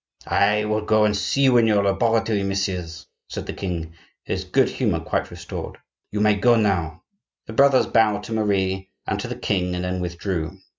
"I will go and see you in your laboratory, messieurs," said the king, his good humor quite restored. "You may now go." The brothers bowed to Marie and to the king and then withdrew.